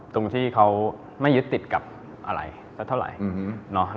ตรงที่เขาไม่ยึดติดกับอะไรสักเท่าไหร่